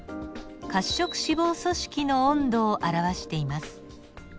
褐色脂肪組織の温度を表しています。